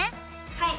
はい！